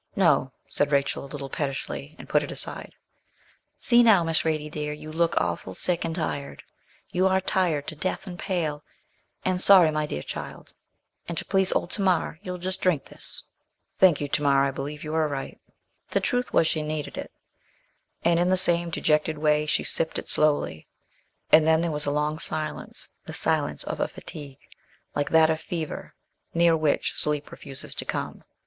'No,' said Rachel, a little pettishly, and put it aside. 'See now, Miss Radie, dear. You look awful sick and tired. You are tired to death and pale, and sorry, my dear child; and to please old Tamar, you'll just drink this.' 'Thank you, Tamar, I believe you are right.' The truth was she needed it; and in the same dejected way she sipped it slowly; and then there was a long silence the silence of a fatigue, like that of fever, near which sleep refuses to come.